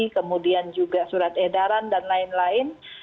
kemudian juga surat edaran dan lain lain